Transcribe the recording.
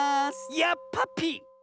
やっぱぴ！